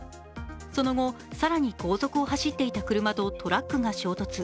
その後、更に後続を走っていた車とトラックが衝突。